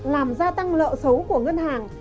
làm gia tăng lợi xấu của ngân hàng